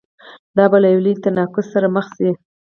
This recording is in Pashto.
دا به له یوه لوی تناقض سره مخ شي.